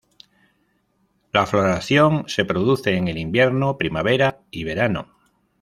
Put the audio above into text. La floración se produce en el invierno, primavera y verano.